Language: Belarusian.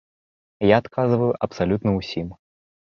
Я адказваю абсалютна ўсім.